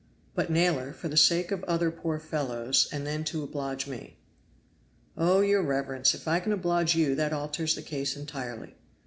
"But, Naylor, for the sake of other poor fellows and to oblige me." "Oh! your reverence, if I can oblige you that alters the case entirely.